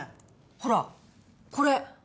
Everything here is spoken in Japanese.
ほらこれ！